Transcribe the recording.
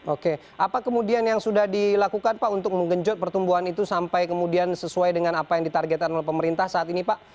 oke apa kemudian yang sudah dilakukan pak untuk menggenjot pertumbuhan itu sampai kemudian sesuai dengan apa yang ditargetkan oleh pemerintah saat ini pak